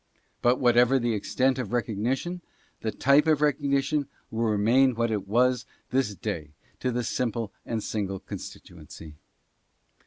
But whatever the extent of recognition, the type of recognition will remain what it was this day to this simple 1 6 "RECORDERS AGES HENCE:' and single constituency.